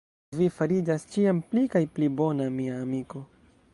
Vi fariĝas ĉiam pli kaj pli bona, mia amiko.